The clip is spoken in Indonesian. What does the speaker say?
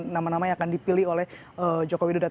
nama nama yang akan dipilih oleh jokowi dodo